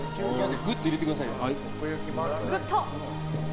ぐっと入れてくださいよ。